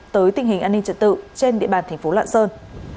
tới tình hình an ninh trật tự trên địa bàn tp lạng sơn